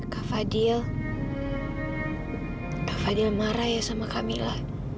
kak fadil kak fadil marah ya sama kak mila